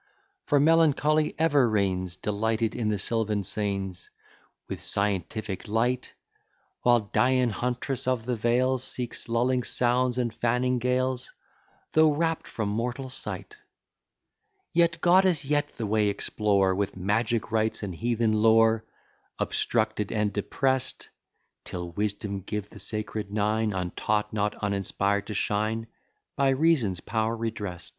For, Melancholy ever reigns Delighted in the sylvan scenes With scientific light; While Dian, huntress of the vales, Seeks lulling sounds and fanning gales, Though wrapt from mortal sight. Yet, goddess, yet the way explore With magic rites and heathen lore Obstructed and depress'd; Till Wisdom give the sacred Nine, Untaught, not uninspired, to shine, By Reason's power redress'd.